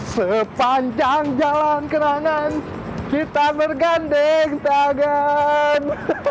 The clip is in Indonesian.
sepanjang jalan kenangan kita bergandeng tagan